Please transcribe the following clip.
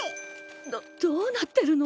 どどうなってるの？